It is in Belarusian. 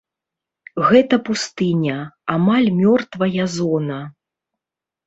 Гэта пустыня, амаль мёртвая зона.